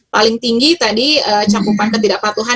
paling tinggi tadi cakupan ketidakpatuhan